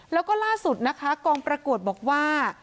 แล้วก็ล่าสุดนะคะกองประกวดบอกว่า